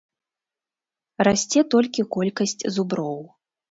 Расце толькі колькасць зуброў.